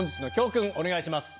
お願いします。